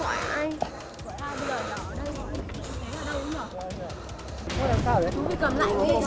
chú bị cầm lạnh rồi